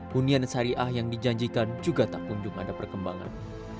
hunian syariah yang dijanjikan juga tak kunjung ada perkembangan